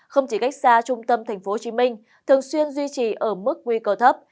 không chỉ cách xa trung tâm thành phố hồ chí minh thường xuyên duy trì ở mức nguy cơ thấp